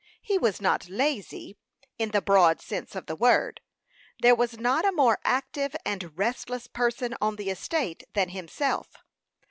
He was not lazy, in the broad sense of the word; there was not a more active and restless person on the estate than himself.